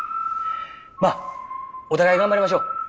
まあお互い頑張りましょう。